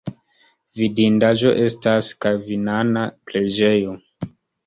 Vidindaĵo estas kalvinana preĝejo.